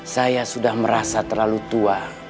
saya sudah merasa terlalu tua